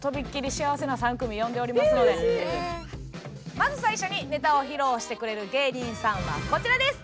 まず最初にネタを披露してくれる芸人さんはこちらです。